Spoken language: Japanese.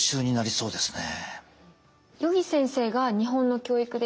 そうですね。